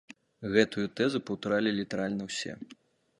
Гэтую тэзу паўтаралі літаральна ўсе.